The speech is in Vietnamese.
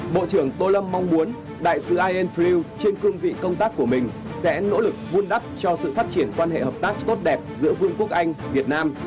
bộ trưởng tô lâm mong muốn đại sứ ien freel trên cương vị công tác của mình sẽ nỗ lực vun đắp cho sự phát triển quan hệ hợp tác tốt đẹp giữa vương quốc anh việt nam